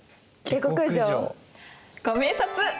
ご明察！